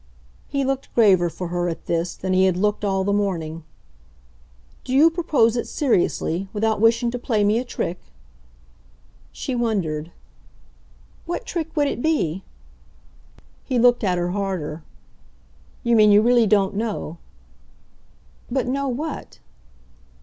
He looked graver for her, at this, than he had looked all the morning. "Do you propose it seriously without wishing to play me a trick?" She wondered. "What trick would it be?" He looked at her harder. "You mean you really don't know?" "But know what?"